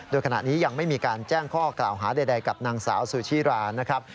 โดยขณะนี้ยังไม่มีการแจ้งข้อกล่าวหาใดกับนางสาวซูชิรานะครับ